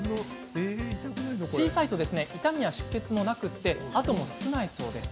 小さいと痛みや出血もなく痕も少ないそうです。